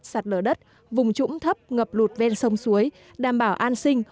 sạt lở đất vùng trũng thấp ngập lụt ven sông suối đảm bảo an sinh